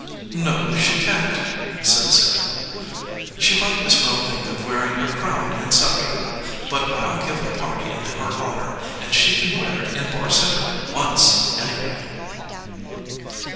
"No, she can t," said Sarah. "She might as well think of wearing a crown and scepter. But I ll give a party in her honor, and she can wear it in Barr Center once, anyway."